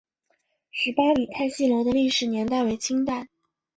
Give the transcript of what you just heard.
十八里汰戏楼的历史年代为清代。